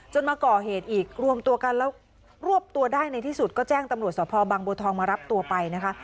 มาก่อเหตุอีกรวมตัวกันแล้วรวบตัวได้ในที่สุดก็แจ้งตำรวจสภบางบัวทองมารับตัวไปนะคะ